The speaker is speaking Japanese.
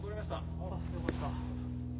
あっよかった！